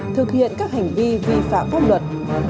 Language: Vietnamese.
thực hiện các hành vi vi phạm pháp luật